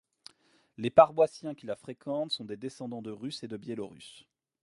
Les paroissiens qui la fréquentent sont des descendants de Russes et de Biélorusses.